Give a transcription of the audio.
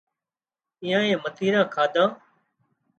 ايئانئي متيران ڪاڌان